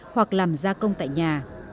hoặc làm gia công tại nhà